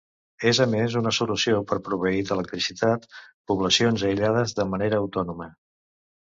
És a més una solució per proveir d’electricitat poblacions aïllades de manera autònoma.